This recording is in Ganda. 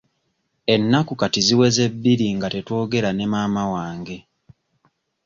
Ennaku kati ziweze bbiri nga tetwogera ne maama wange.